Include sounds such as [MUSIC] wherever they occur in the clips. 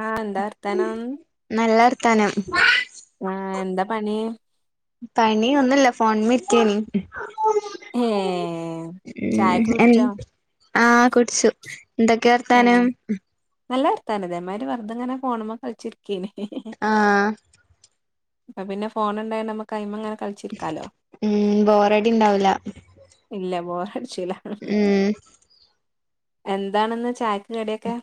ആഹ ന്താ വർത്താനം നല്ലർത്താനം ആഹ ആ എന്താ പണി പണിയ ഒന്നുല്ല ഫോൺമരിക്കനി ഏഹ് ചായൊക്കെ കുടിച്ചോ [UNINTELLIGIBLE] ആഹ് കുടിച്ചു ന്തൊക്കെ ഏഹ് വർത്താനം. നല്ല വർത്താനം ഇതേമായിരി വെറുതെങ്ങനെ ഫോണ് മ്മ കളിച്ചിരിക്കയ്ന് ആഹ് അ പ്പൊ പിന്നെഫോണ്ണ്ടായ നമുക്ക് ക ഐമ അങ്ങനെ കളിച്ച ഉം ബോറഡിണ്ടാവുല ഇല്ല ബോറ അടിച്ചുല ഹും എന്താണ്ന്ന് ചായക്ക് കടിയൊക്കെ?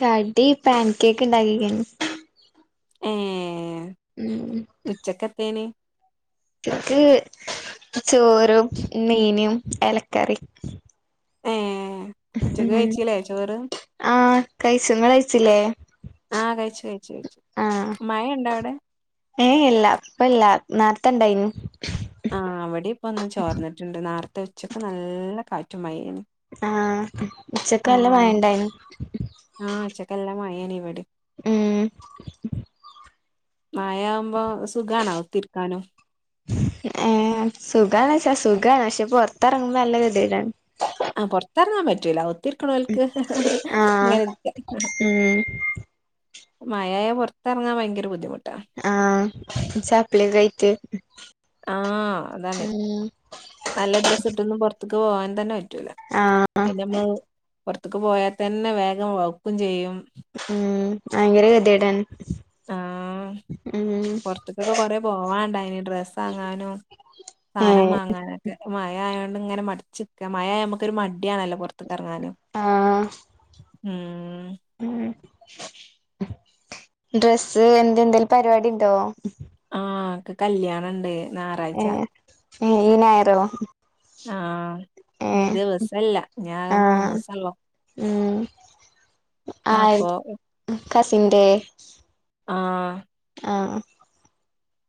കഡി പാൻ കേക്ക്ണ്ടാക്കികെന്നു ഹും ഉും ചെക്കത്തെന് ക്ക് ചോറും, മീനും, എലക്കറി, ഏഎ ഹു ഹേ ആഹ കഴിച്ചു കഴിച്ചില്ലേ? ആഹ കഴിച്ചു കഴിച്ചു കഴിച്ചു മഴ ണ്ടോ അവിടെ? ഏ ഇല്ല ഇപ്പല്ല നാർത്തെണ്ടായിന് ആ അവിടെ ഇപ്പ ഒന്ന് ചോർന്നിട്ടുണ്ട്. നാർത്തെ ഉച്ചക്ക് നല്ല കാറ്റു മഴാർന്നു ആഹാ ഉം ആഹ ഉച്ചക്കെല്ലാം മായന്ഇവിടിം ഉംഹും മയ ആവുമ്പോ സുഖണോ ആ ഒവ് ത്തിരിക്കാനും ഏ സുഖണച്ചാ സുഖണ്. പക്ഷെ പുറത്തിറങ്ങുമ്പോ നല്ല കതിടാണ്. ആ പുറത്തിറങ്ങാൻ പറ്റൂല ഒത്തിരിക്കണോൽക്ക് ഹേ ഹെ ആഹ് ഇങ്ങനെ ഇരിക്ക. ഉം മഴയ യാ പോറ്ത്ത്റങ്ങാൻ ഭയങ്കര ബുദ്ധിമുട്ടാ ആഹ ചാപ്പ്ലികേയ്റ്റ് ആഹ അതാണ്. നല്ല ഡ്രസ്സ് ഇട്ട്ന്നും പുൊറ്ത്ത്ക്ക് പോകൻ തന്നെ പറ്റൂല ആഹ പിന്ന നമ്മള് പുറത്തക്ക് പോയാൽ തന്നെ വേഗം വഴ്ക്കും ചെയ്യും. ഉം ഭയങ്കര ഗതിടാൻ ഉം ഇപ്പകൊറ പോവാനണ്ടായിന് ഡ്രസ്സ് വാങ്ങാനും സാധനം ഏഹ് മാങ്ങാനൊക്കെ മയ ആയോണ്ട് ഇങ്ങനെ മടച്ച്ക്ക മയാമുക്ക് ഒരു മടിയണല്ലോ പൊറത്തക്ക് എറങ്ങന് ആഹ് ഉം ഉം ഡ്രസ്സ് എന്ത എന്തെിലും പരിപാടി ഉണ്ടോ ആഹ് ക്ക് കല്യാണണ്ട് ഞായറാഴ്ച ഏഹ് ഈ നെരോ ആഹ് ഇനി ദിവസല്ല ഞ്ഞി ആകെ ആഹ് മൂന്നുസൊള്ളു ഉം അപ്പൊ ഉം കസിന്റെ ആഹ് ആഹ്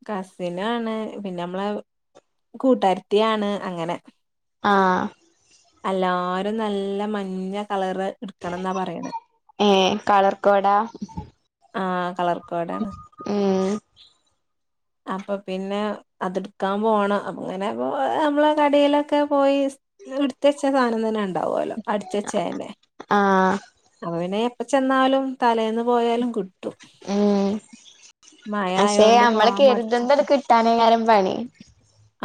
കസിനാണ് പിന്നെ നമ്മളെ കൂട്ടരത്തിയാണ് അങ്ങനെ ആഹ് എല്ലാരും നല്ല മഞ്ഞ കളറ് എടുക്കണംന്നാ പറയണെ ഏഹ് കളർക്കോടാ ആഹ് കളർ കോഡാണ് ഏഹ് അപ്പൊ പിന്നെ അത് എടുക്കാൻ പോണം അ അങ്ങനെപ്പോ നമ്മള കടയിലൊക്കെ പോയി ഇട്ത്തെച്ചെ സാധനം തന്നെ ഉണ്ടാവൊ ലൊ അട്ച്ച് ച്ചതെന്നെ ആഹ് അപ്പൊ പിന്നെ എപ്പൊ ചെന്നാലും തലേന്ന് പോയാലും കിട്ടും ഉം മയാ ആയൊണ്ടും കെരുന്തുന്ന കിട്ടാനേകാരം പണി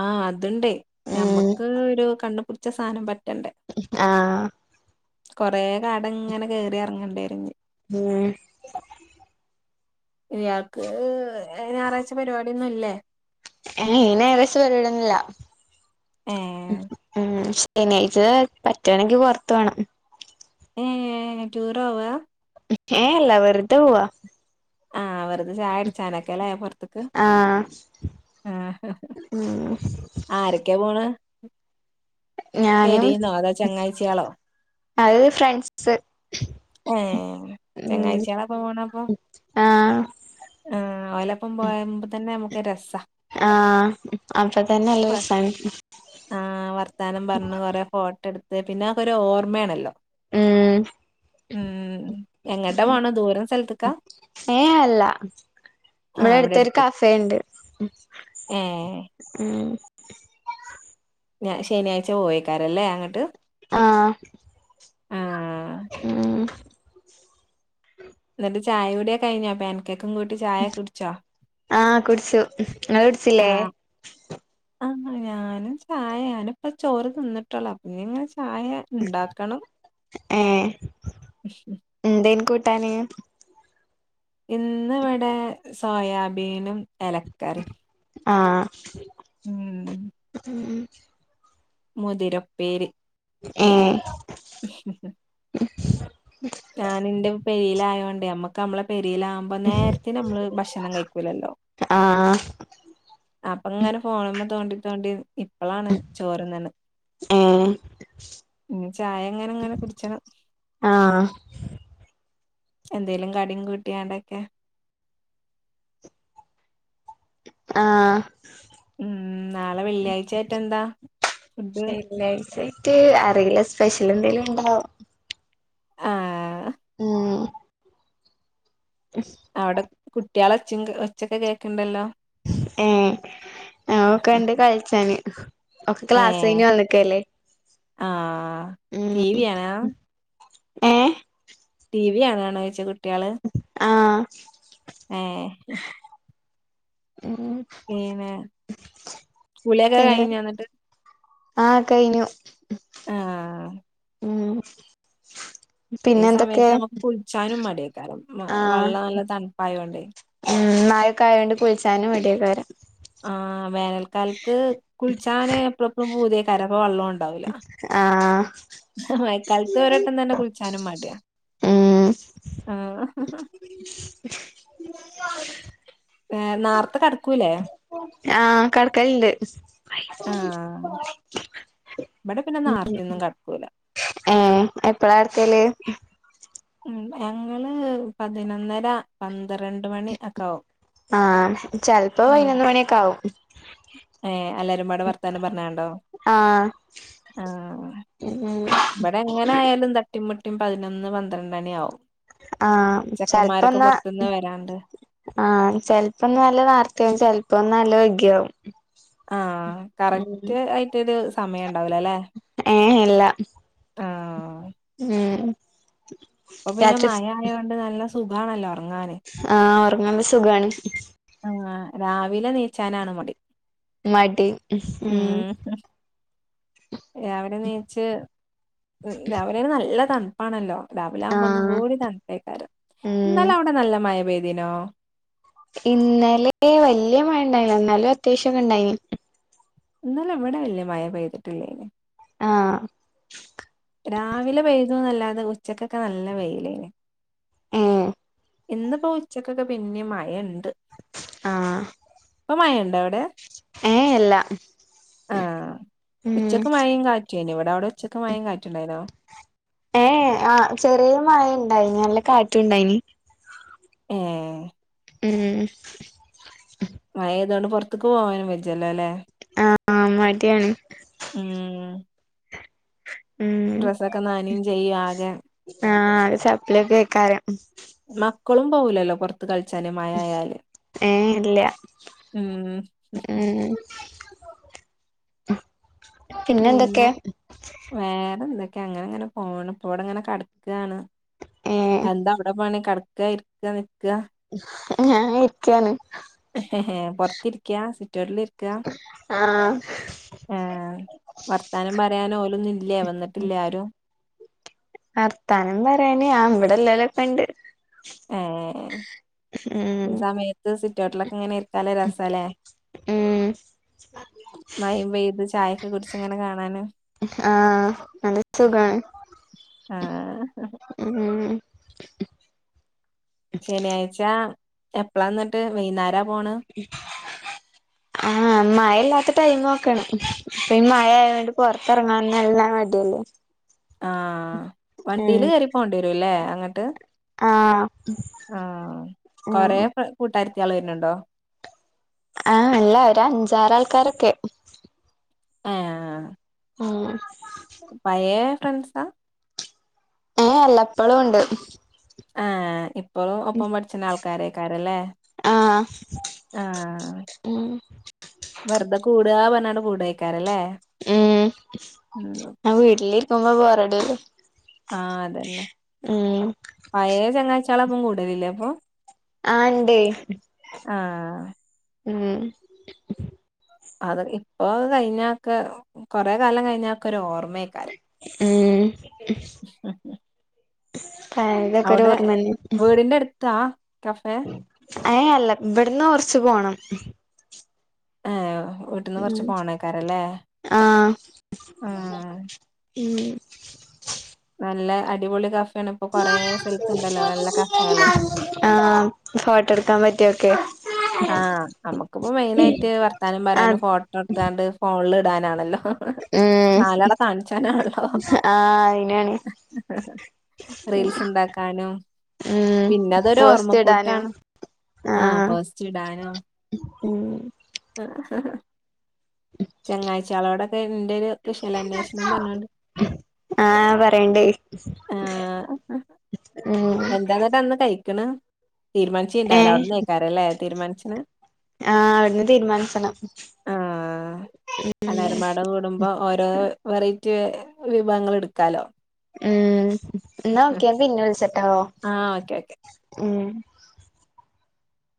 ആഹ് അത്ണ്ടേ ഉം ഞമ്മക്ക് ഒരു കണ്ണ്പുടിച്ച സാധനം പറ്റണ്ടേ ആഹ് കൊറെേ കാട ഇങ്ങനെ കയറി ഇറങ്ങണ്ടിവരും പിന്നെ ഇയാൾക്ക് ഈ ഞായറാഴ്ച പരിപാടിയൊന്നുംല്ലേ ഈ ഞാറാഴച്ചപരിടുന്നില്ല ഏ ഉം ന്നെയാഴച്ച പറ്റണെങ്കിൽ പൊറത്ത് പോണം ഏഹ് ഏഹ് ടൂറോവാ ഏ അല്ല വെറുതെ പോവ ആഹ് വെർതെ ചായ കുടിച്ചാനൊക്കെല്ലേ പുറത്ത്ന്ന് ആഹ് ഉം ആരൊക്കെ പോണത് ഞാനും പെരിന്നോ അതോ ചങ്ങാഴ് ച്ചിയാളോ അത് ഫ്രൻസ് ഏ ഉം ചങ്ങാഴ്ചിയാളൊപ്പം ആഹ് ആഹ് ഓലപ്പം പോയ്മ്പതന്നെ നമുക്കൊരു രസ ആഹ് അപ്പൊ തന്നെ നല്ലരസാണ് കൊറെേ ഫോട്ടോ എടുത്ത് പിന്നെ അക്കൊ ഒരു ഓർമ്മെണല്ലോ ഉം ഉം എങ്ങട്ടാ പോണേ ദൂരസ്ഥലത്തക്കാ ഏഹ് അല്ല ആ ഇവിടെ അടുത്തൊരു അടുത്ത് കഫേണ്ട് ഏ ഉം ഞ ശനിയാഴ്ച പോവേക്കാരല്ലേ അങ്ങട്ട് ആഹ് ആഹ് ഉം എന്നിട്ട് ചായ കുടികഴിഞ്ഞൊ പേൻ കേക്കും കൂട്ടി ചാ ആഹ് കുടിച്ചു ഇങ്ങളു കുടിച്ചില്ലേ [UNINTELLIGIBLE] ആ ന്ന ഞാനും ചായയാന്. ഞാന്പ്പ ചോറ് തിന്നട്ടോള്ളു അപ്പ ഞിങ്ങനെ ചായ ഇണ്ടാക്കണം ഏ ൻന്തേന് കൂട്ടാന്. ഇന്ന് ഇവിടെ സോയാബീനും എലക്കറിം ആഹാ ഉും [UNINTELLIGIBLE] മുതിരപ്പേര് പിന്നെ ഏഹ് ഹും ഹും ഞാനിന്റെ പെരിയിലായയോണ്ടേ നമ്മക്ക് നമ്മളെ പെരിയിലാവുംബ പ്പൊ നേരത്തിന് മ്മള് ഭക്ഷണം കഴിക്കുല്ലല്ലോ? ആഹ് അപ്പൊങ്ങനെ ഫോൺമ്മേ തോണ്ടി തോണ്ടി ഇപ്പളാണ് ചോറ് തിന്ന്ണ് ഏഹ് ഞിചായ ഇങ്ങനെ ഇങ്ങനെ കുടിച്ചണം. ആഹാ എന്തേലും കടിം കൂട്ടിയാണ്ടൊക്കെ ആഹഹാ ഉും നാളെ വെള്ളിയാചയാട്ടെന്താ? ഷെ വെള്ളിയാചയായിട്ട് അറിയില്ല. സ്പെഷ്യൽന്തേലും ഉണ്ടാവും. ആഹാ ഹ് മ്ം [UNINTELLIGIBLE] അവിടെ കുട്ടിയാളെ ഒച്ച ഒച്ചൊക്കെ കേൾക്ക്ണ്ടല്ലോ? ഏ ആഒക്കണ്ട് കൾളിച്ചാന് ഒക്കെ ക്ലാസ് ഏഹ് കഴിഞ്ഞ് വന്നക്കല്ലേ ആഹ് ഉും ടി വി ആണോ മം ഹേ ടി. വി കാണുണോയ്യിച്ച കുട്ടിയാള് ആഹാ ഏ ല്ല [UNINTELLIGIBLE] പിന്നെ കുളിയൊക്കെ കഴിഞ്ഞുന്നിട്ട്. ആഹാ കഴിഞ്ഞു. ആഹ് ഹും ഈ സമയത്ത് നമുക്ക് കുൾച്ചാനും മടിയ്കാരം ആഹ് വള്ളം നല്ല തണുപ്പായോ ണ്ടേ ഉം മയൊക്കെയൊണ്ട് കുൾച്ചാനും മടിയാകാരം ആ വേനൽക്കാലത്ത് കുൾച്ചാന് എപ്പളും പ്പളും പുതിയകാരം പോ വള്ളും ണ്ട് ആഹ് ണ്ടാവുല്ലഹും മഴക്കാലത്ത് ഒരട്ടം തന്നെ കുളിച്ചാനും മടിയാണ്. ഉം ആഹ ഹും ഹു [INAUDIBLE] ഏ നാർത്ത കടക്കൂലേ? ആഹ കടക്കലിണ്ട്. ബടെ പിന്നെ നാര്ത്തെയൊന്നും കടക്കൂല. ഏാ എപ്പഴാട്ക്കല് ഹും ഞങ്ങള് പതിനൊന്നര, പന്ത്രണ്ട് മണി, ഒക്കെ ആവും ആഹ ചിൽപ്പോ പൈനൊന്ന് മണിയൊക്കെ ആവും. ഏ എല്ലാരുംപാടെ വർത്താനം പറഞ്ഞാ ണ്ടോ? ഉംഹും ബടെ എങ്ങനെ ആയാലും തട്ടിം മുട്ടിയും പതിനൊന്ന്, പന്ത്രണ്ട്ണിയ ആവും. ആഹ് ചെക്കന്മാരൊക്കെ പോറ്ത്ത്ന്ന് വരാണ്ട്. ആഹ ചിൽപ്പോന്ന് നല്ലനാർത്തയാവും ചിൽപ്പോന്ന് നല്ല വെഗിയാവും. ആഹ കറക്റ്റ് ആയിറ്റോരു സമയം ണ്ടാവുലല്ലെ? ഏ ഇല്ല. ആഹ് ഹു ഉും അപ്പൊ പിന്നെ മഴ ആയ കൊണ്ട് നല്ല സുകാണല്ലോ ഉറങ്ങാന് ആഹ് ഉറങ്ങല് സുഖാണ് ആ രാവിലെ നീച്ചാനാണ് മടി മടി ഉം ഉം രാവിലെ നീച്ച് രാവിലെെന് നല്ല തണപ്പാണല്ലോ രാവിലാവകുമ്പോ ഒന്നും ആഹ് കൂടി തണപൈകാരം ഇന്നല ഉം അവിടെ നല്ല മഴ പെയ്തിനോ ഇന്നലെ വലിയ മഴ ഇണ്ടായില്ല എന്നാലും അത്യാവശ്യംക്കെ ഉണ്ടായിന് ഇന്നലെ ഇവിടെവെല്ല്യ മഴ പെയ്തിട്ടില്ലേന് ആഹ് രാവിലെ പെയതുന്നല്ലാതെ ഉച്ചക്കൊക്കെ നല്ല വെയിലേനി ഏഹ് ഇന്ന് ഇപ്പോ ഉച്ചക്കൊക്കെ പിന്നിം മയ ഇണ്ട് ആഹ് ഇപ്പൊ മഴുണ്ടോ അവിടെ ഏഹ് ഇല്ല ആഹ് ഉം ഉച്ചക്ക് മഴയും കാ [UNINTELLIGIBLE] ഇവിടെ അവിടെ ഒച്ചക് മഴിയിം കാട്ടുണ്ടായിനോ ആ ചെറിയ മഴ ഇണ്ടായിനി നല്ല കാറ്റും ഉണ്ടായിനി ഏഹ് ഉം മഴപെയ്തോണ്ട് പുറത്ക്ക് പോകാനും വെജല്ലോല്ലേ ആഹ് മടിയാണ് മ്മ് ഉം ഡ്രസ്സൊക്കെ നനയും ചെയ്യും ആകെ അഹ് ആകെ ചപ്ലിയോകെആയിക്കാരം കൊളും പോവുലല്ലോ പുറത്ത് കളിച്ചാന് മഴായായാല് ഏഹ് ഇല്ല മ്മ് [UNINTELLIGIBLE] പിന്നെ വേറെ എന്തൊക്കെ അങ്ങനെങ്ങനെ പോണ് ഇപ്പോവിടങ്ങനെ കടകാണ് ഏ എന്താ അവിടെ പണി കടക്ക ഇരിക്ക നിൽക്ക ഞാൻ ഇരിക്കാണ് ഏഹ് എഹെ പൊറത്തിരിക്കാ സിറ്റോട്ടിലിരിക്ക ആഹ് എഹ് വർത്താനം പറയാൻ ഓലൊന്നും ഇല്ലേ വന്നിട്ടില്ലേ ആരും ആർത്താനം പറയാന് ഇവിടെ ഇലോളൊക്കെ ഇണ്ട് ഏഹ് ഉം ഈ സമയത്ത് സിറ്റോട്ടിലൊക്കെ ഇങ്ങനെ ഇരിക്കാന് നല്ലരസാല്ലേ ഉം [INAUDIBLE] മയം പെയ്ത് ചായൊക്കെ കുടിച്ച് ഇങ്ങനെ കാണൻ ആഹ് ആഹ് നല്ല സുഖമാണ് ആഹ് ഉം ശനിയാഴ്ച എപ്പളാ ഇന്നിട്ട് വൈന്നാര പോണ് [UNINTELLIGIBLE] [INAUDIBLE] ആഹ് മഴയില്ലാത്ത ടൈം നോക്കണം ഇപ്പൊ ഈ മഴയായതുകൊണ്ട് പുൊറത്തിറങ്ങാന്ന് നല്ലമടിയല്ലേ ആഹ് വണ്ടിയില് കേയറി പോണ്ടി വരുല്ലേ അങ്ങട്ട് ആഹ് ആഹ് ഉം കൊറെ [UNINTELLIGIBLE] കൂട്ടാരത്തി ആൾ വരുന്നുണ്ടോ ആഹ് ഇല്ല ഒരു അഞ്ചാറാൾക്കാരൊക്കെ ഏഹ് ഉം പയെ ഫ്രണ്ട്സാ ഏ അല്ല എപ്പോഴും ഇണ്ട് ആഹ് ഇപ്പഴും ഒപ്പം പഠിച്ണ ആൾക്കാരേക്കാാരല്ലേ ആഹ് ആഹ് ഉം വെറുതെ കൂടാ പറ്ണാണ്ട് കൂടയ്ക്കാരല്ലേ ഉം ആ വീട്ടിലിരിക്കുമ്പോ മ്പോറടില്ലെ ആഹ് അതന്നെ പയേ ചങ്ങായിച്ചാളെ ഒപ്പം കൂടലില്ലേ അപ്പൊ ആഹ് ണ്ടെയ് ആഹ് ഉം അത് ഇപ്പോ കഴിഞ്ഞാഒക്കെ കൊറെ കാലം കഴിഞ്ഞാഒക്കെ ഒരു ഓർമ്മയരിക്കും ഉം ഉം സ് പയേതൊക്കെ ഒരു ഓർമ്മന്നെ ഉം താ കഫേ ഏ അല്ല ഇമ്പടന്ന് കുറച്ച് പോണം ഏഹ് വീട്ടിന്ന് കൊറച്ച് ഉം പോണേക്കാരല്ലേ ആഹ് ആഹ് ഉം നല്ല അടിപൊളി കഫെണ് ആഹ് ഫോട്ടോ എടുക്കാൻ പറ്റിയൊക്കെ ആഹ് നമുക്കിപ്പോ മെയിനായിട്ട് വർത്താനം ആഹ് പറയാനും ഫോട്ടോ ഇട്ത്താണ്ട് ഫോണിൽ ഇടാനാണല്ലോ ഉം നാലാളെ കാണിച്ചാനാണല്ലോ ആഹ് അയിനാണ് റീൽസ് ണ്ടാക്കാനും ഉം പിന്നെ അതൊരു പോസ്റ്റ് ഇടാനും ഓർമ്മക്കൂട്ടാണ് ആഹ് പൊസ്റ്റ് ഇടാനും ഉം ആഹ് ആഹ് ചെങ്ങായ്ച്ചിയാളോടൊക്കെ ഇന്റെ ഒരു കുശലാന്വേഷണം പറഞ്ഞോണ്ട് ആഹ് പറയേണ്ട് ആഹ് എന്താന്നട്ട് അന്ന് കഴിക്കണ് ഏ തീരുമാനിച്ചീണ്ടാവില്ല അവ്ടന്നെയ് ക്കാരല്ലെ തീരുമാനിച്ചിന് ആഹ് അവിടുന്ന് തീരുമാനിച്ചണം അലരമമ്പാടെ കൂടുമ്പോ ഓരോ വെറൈറ്റി വിഭവങ്ങൾ ഇടുക്കാലോ ഉം എന്ന ഓക്കെ പിന്നെ വിളിച്ചട്ടാ ആഹ് ഓക്കെ ഓക്കെ ഉം